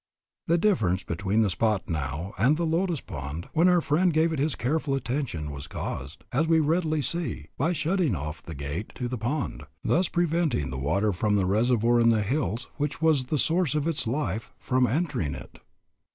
The difference between the spot now and the lotus pond when our friend gave it his careful attention was caused, as we readily see, by the shutting of the gate to the pond, thus preventing the water from the reservoir in the hills which was the source of its life, from entering it.